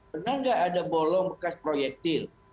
pernah nggak ada bolong bekas proyektil